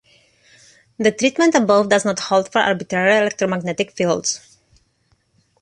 The treatment above does not hold for arbitrary electromagnetic fields.